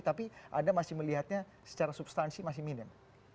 tapi anda masih melihatnya secara substansi masih minim